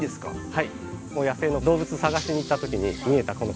はい。